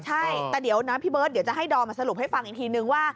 ใช่แต่เดี๋ยวนะพี่เบิร์ตเดี๋ยวจะให้ดอมมาสรุปให้ฟังอีกทีนึงว่า